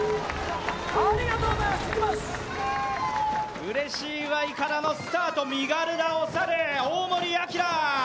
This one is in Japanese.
うれしいＹからのスタート、身軽なおさる、大森晃。